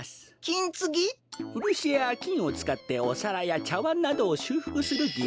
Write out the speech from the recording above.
ウルシやきんをつかっておさらやちゃわんなどをしゅうふくするぎ